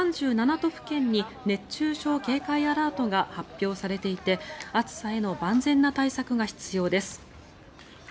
都府県に熱中症警戒アラートが発表されていて暑さへの万全な対策が必要です。